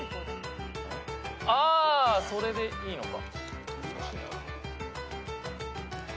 あーそれでいいのか。